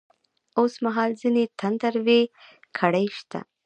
اوس مـهال ځــينې تـنـدروې کـړۍ شـتـه.